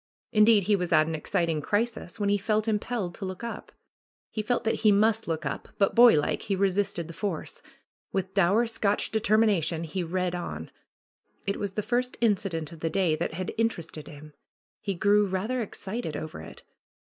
Indeed he was at an exciting crisis, when he felt im pelled to look up. He felt that he must look up, but boylike he resisted the force. With dour Scotch deter mination he read on. It was the first incident of the day that had interested him. He grew rather excited over it.